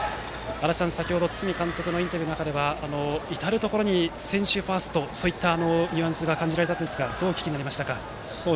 先程、堤監督のインタビューの中では至るところに選手ファーストといったニュアンスが感じられましたがどうお聞きになりましたか？